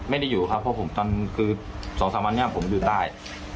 ไม่ได้อยู่ครับเพราะผมตอนคือ๒๓วันนี้ผมอยู่ใต้